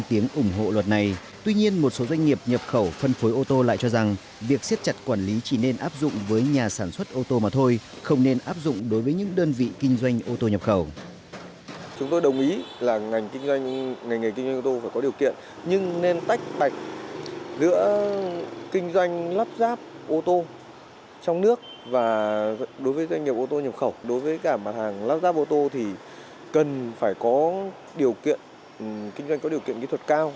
kinh doanh lắp ráp ô tô trong nước và đối với doanh nghiệp ô tô nhập khẩu đối với cả mặt hàng lắp ráp ô tô thì cần phải có điều kiện kinh doanh có điều kiện kỹ thuật cao